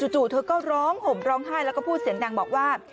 จู่เธอก็ร้องห่มร้องไห้แล้วก็พูดเสียงดังบอกว่า